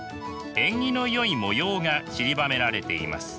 縁起のよい模様がちりばめられています。